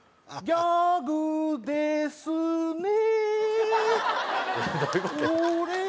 ギャグですね